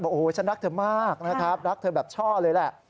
โอ้โหฉันรักเธอมากนะครับรักเธอแบบช่อเลยแหละ